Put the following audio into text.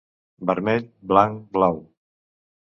Vermell, blanc i blau.